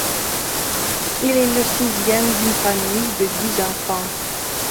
Il est le sixième d'une famille de dix enfants.